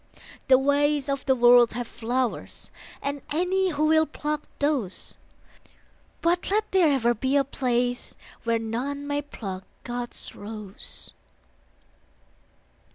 The ways of the World have flowers, And any who will pluck those; But let there ever be a place Where none may pluck God's rose.